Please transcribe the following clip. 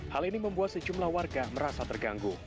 hal ini membuat sejumlah warga merasa terganggu